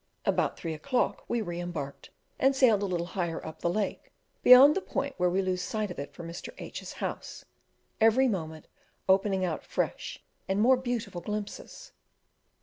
About three o'clock we re embarked, and sailed a little higher up the lake beyond the point where we lose sight of it from Mr. H 's house, every moment opening out fresh and more beautiful glimpses.